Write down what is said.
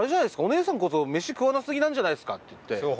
お姉さんこそ飯食わなすぎなんじゃないんですか？」って言って。